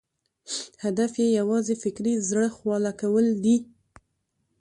هدف یې یوازې فکري زړه خواله کول دي.